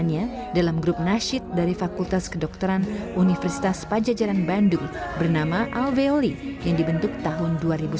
yang dalam grup nasyid dari fakultas kedokteran universitas pajajaran bandung bernama alveoli yang dibentuk tahun dua ribu sepuluh